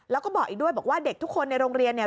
แล้วก็บอกอีกด้วยบอกว่าเด็กทุกคนในโรงเรียนเนี่ย